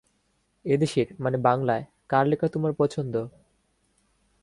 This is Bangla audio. এ দেশের-মানে বাংলায়, কার লেখা তোমার পছন্দ?